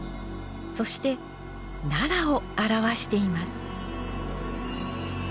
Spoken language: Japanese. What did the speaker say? そして奈良を表しています。